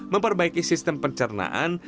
memperbaiki sistem pencernaan